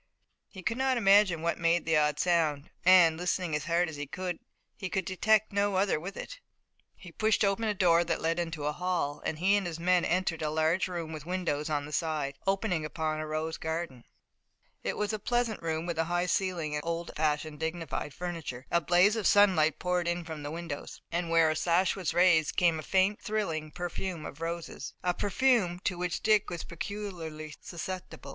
He could not imagine what made the odd sound, and, listening as hard as he could, he could detect no other with it. He pushed open a door that led into the hall and he and his men entered a large room with windows on the side, opening upon a rose garden. It was a pleasant room with a high ceiling, and old fashioned, dignified furniture. A blaze of sunlight poured in from the windows, and, where a sash was raised, came the faint, thrilling perfume of roses, a perfume to which Dick was peculiarly susceptible.